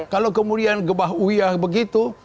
kalau kemudian gebah uyah begitu